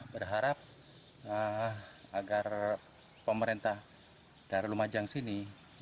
berharap agar pemerintah dari lumajang sini